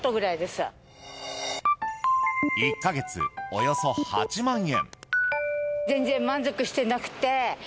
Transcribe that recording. １か月およそ８万円。